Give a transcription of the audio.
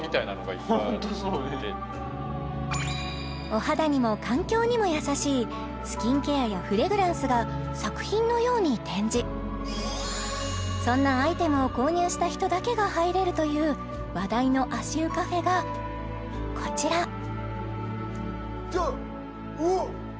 お肌にも環境にも優しいスキンケアやフレグランスが作品のように展示そんなアイテムを購入した人だけが入れるという話題の足湯カフェがこちらちょっわっ！